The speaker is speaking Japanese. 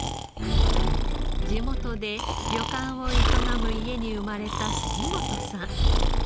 地元で旅館を営む家に生まれた杉本さん。